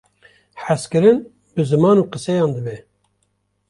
Hezkirin bi ziman û qiseyan dibe.